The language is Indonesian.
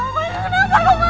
kenapa lo mau